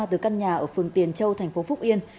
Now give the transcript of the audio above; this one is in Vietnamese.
từ căn nhà ở phường tiền châu thành phố phúc yên